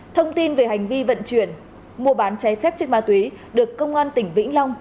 thông tin về hành vi vận chuyển mua bán cháy phép chất ma túy được công an tỉnh vĩnh long